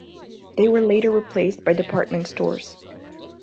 They were later replaced by department stores.